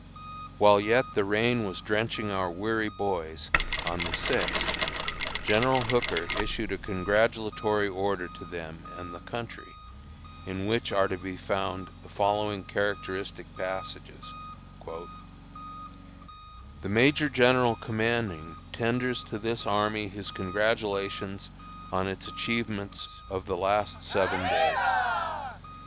While yet the rain was drenching our weary boys, on the sixth, General Hooker issued a congratulatory order to them and the country, in which are to be found the following characteristic passages: "The Major General commanding tenders to this army his congratulations on its achievements of the last seven days.